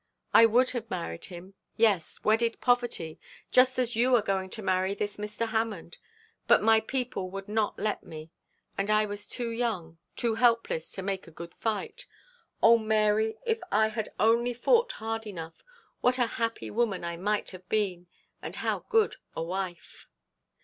I would have married him yes, wedded poverty, just as you are going to marry this Mr. Hammond; but my people would not let me; and I was too young, too helpless, to make a good fight. Oh, Mary, if I had only fought hard enough, what a happy woman I might have been, and how good a wife.'